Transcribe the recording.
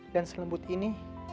dan selembut ini